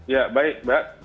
ya baik mbak terima kasih